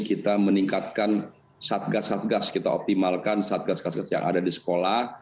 kita meningkatkan satgas satgas kita optimalkan satgas satgas yang ada di sekolah